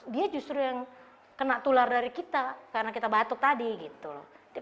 dia justru yang kena tular dari kita karena kita batuk tadi gitu loh